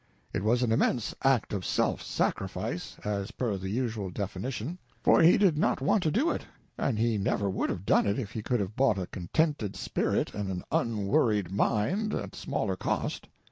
It was an immense act of self sacrifice (as per the usual definition), for he did not want to do it, and he never would have done it if he could have bought a contented spirit and an unworried mind at smaller cost.